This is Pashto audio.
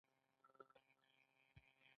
ایا پوهیږئ چې باور غوره درمل دی؟